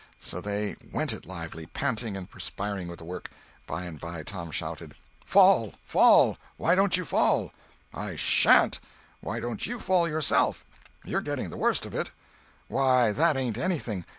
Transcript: So they "went it lively," panting and perspiring with the work. By and by Tom shouted: "Fall! fall! Why don't you fall?" "I sha'n't! Why don't you fall yourself? You're getting the worst of it." "Why, that ain't anything.